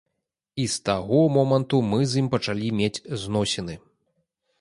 І з таго моманту мы з ім пачалі мець зносіны.